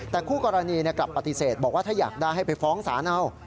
แต่คู่กรณีกลับปฏิเสธบอกว่าถ้าอยากได้ให้ไปฟ้องศาลเอา